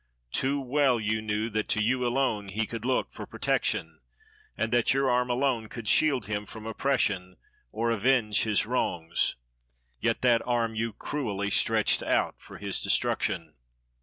Too well you knew that to you alone he could look for protection; and that your arm alone could shield him from oppression, or avenge his wrongs; yet, that arm you cruelly stretched out for his destruction.